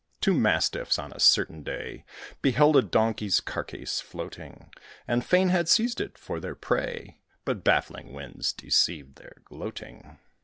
Two Mastiffs, on a certain day, Beheld a Donkey's carcase floating, And fain had seized it for their prey, But baffling winds deceived their gloating.